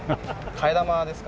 替え玉ですかね？